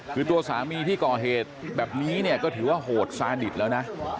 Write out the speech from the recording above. คือตัวสามีที่ก่อเหตุแบบนี้เนี่ยก็ถือว่าโหดซาดิตแล้วนะ